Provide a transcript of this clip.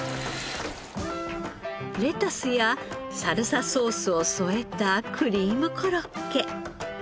レタスやサルサソースを添えたクリームコロッケ。